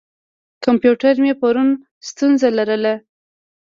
کمپیوټر مې پرون ستونزه لرله.